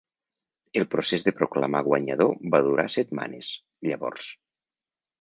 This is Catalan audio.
El procés de proclamar guanyador va durar setmanes, llavors.